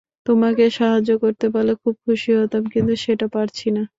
তোমাকে সাহায্য করতে পারলে খুশি হতাম, কিন্তু সেটা পারছি না।